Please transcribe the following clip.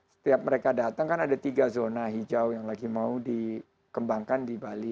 setiap mereka datang kan ada tiga zona hijau yang lagi mau dikembangkan di bali